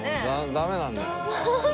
ダメなんだよ。